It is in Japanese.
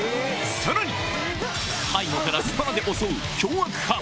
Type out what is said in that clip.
さらに、背後からスパナで襲う凶悪犯。